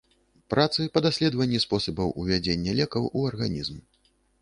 Працы па даследаванні спосабаў увядзення лекаў у арганізм.